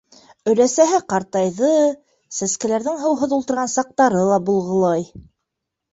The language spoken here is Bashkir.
Өләсәһе ҡартайҙы, сәскәләрҙең һыуһыҙ ултырған саҡтары ла булғылай.